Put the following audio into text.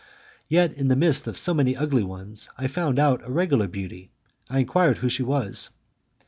Yet in the midst of so many ugly ones I found out a regular beauty. I enquired who she was.